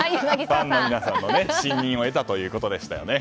ファンの皆様の信任を得たということでしたよね。